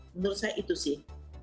menurut saya itu sih